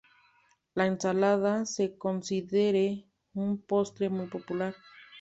La ensalada se considera un postre muy popular.